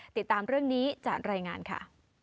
ติดตามเรื่องนี้จากรายงานค่ะ